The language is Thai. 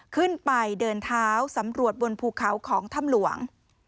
ขึ้นไปเดินเท้าสำรวจบนภูเขาของถ้ำหลวง